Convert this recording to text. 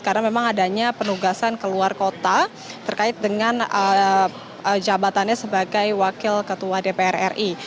karena memang adanya penugasan keluar kota terkait dengan jabatannya sebagai wakil ketua dpr ri